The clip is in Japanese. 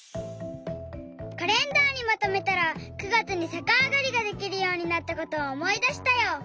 カレンダーにまとめたら９月にさかあがりができるようになったことをおもいだしたよ。